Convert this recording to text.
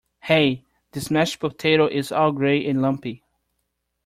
Hey! This mashed potato is all grey and lumpy!